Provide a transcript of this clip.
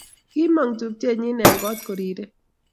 Kimong tupchenyi eng kot ko kirirei